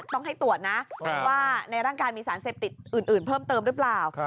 ต้องให้ตรวจนะว่าในร่างกายมีสารเสพติดอื่นเพิ่มเติมหรือเปล่า